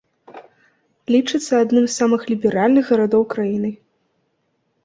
Лічыцца адным з самых ліберальных гарадоў краіны.